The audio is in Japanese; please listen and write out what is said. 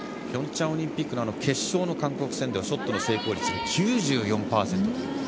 ピョンチャンオリンピックの決勝・韓国戦ではショット成功率９４％。